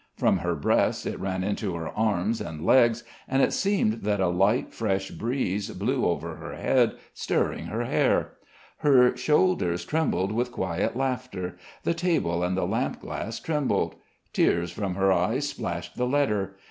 From her breast it ran into her arms and legs, and it seemed that a light fresh breeze blew over her head, stirring her hair. Her shoulders trembled with quiet laughter. The table and the lampglass trembled. Tears from her eyes splashed the letter.